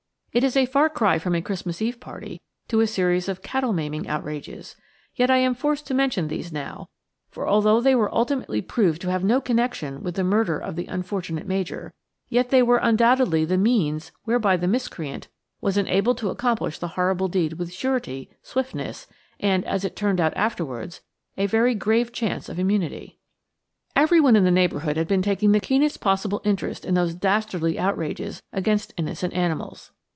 It is a far cry from a Christmas Eve party to a series of cattle maiming outrages, yet I am forced to mention these now, for although they were ultimately proved to have no connection with the murder of the unfortunate Major, yet they were undoubtedly the means whereby the miscreant was enabled to accomplish the horrible deed with surety, swiftness, and–as it turned out afterwards–a very grave chance of immunity. Everyone in the neighbourhood had been taking the keenest possible interest in those dastardly outrages against innocent animals.